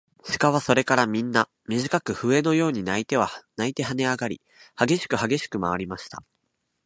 鹿はそれからみんな、みじかく笛のように鳴いてはねあがり、はげしくはげしくまわりました。